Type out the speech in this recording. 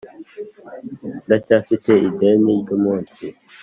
Ndacyafite ideni ry’umunsi